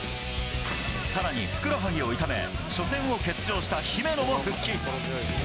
さらにふくらはぎを痛め、初戦を欠場した姫野も復帰。